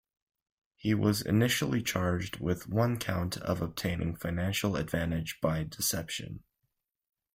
He was initially charged with one count of obtaining financial advantage by deception.